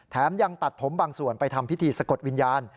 ยังตัดผมบางส่วนไปทำพิธีสะกดวิญญาณ